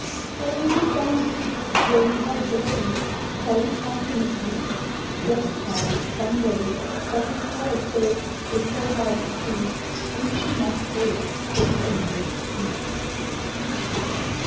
"Shall we look down deep Where he hides away? Shall we find him asleep?" Yes child, some day. But his palace gate Is so hard to see, We two must wait For the angel's key.